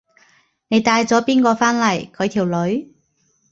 你帶咗邊個返嚟？佢條女？